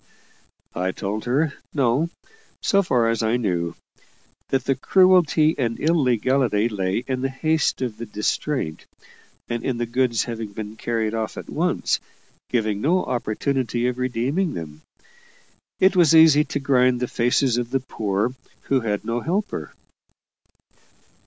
I told her, no, so far as I knew. That the cruelty and illegality lay in the haste of the distraint, and in the goods having been carried off at once, giving no opportunity of redeeming them. It was easy to grind the faces of the poor, who had no helper.